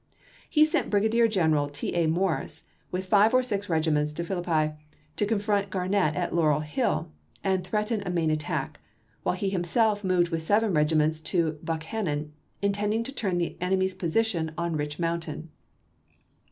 He sent Brigadier General T. A. Morris with five or six regiments to Philippi to confront Garnett at Laurel Hill and threaten a main attack, while he himself moved with seven regiments to Buckhannon, intending to turn the enemy's position on Rich Mountain.